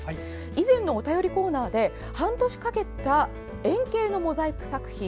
以前のお便りコーナーで半年かけた円形のモザイク作品